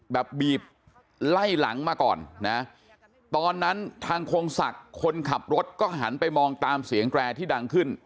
แบบบีบไล่หลังมาก่อนนะตอนนั้นทางคงศักดิ์คนขับรถก็หันไปมองตามเสียงแตรที่ดังขึ้น